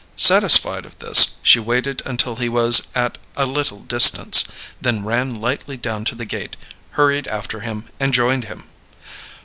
Satisfied of this, she waited until he was at a little distance, then ran lightly down to the gate, hurried after him and joined him.